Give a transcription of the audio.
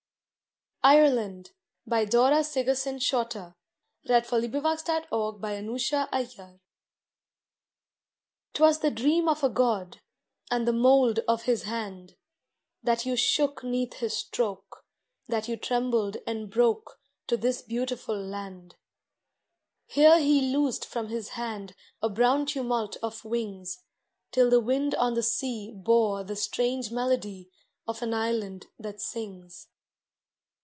Erin with the smiling of your mouth. II IRELAND, AND OTHER POEMS IRELAND 'TwAS the dream of a God, And the mould of His hand, That you shook 'neath His stroke, That you trembled and broke To this beautiful land. Here He loosed from His hand A brown tumult of wings, Till the wind on the sea Bore the strange melody Of an island that sings.